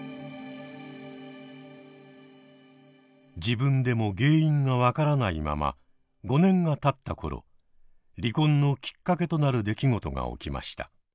自分でも原因が分からないまま５年がたった頃離婚のきっかけとなる出来事が起きました。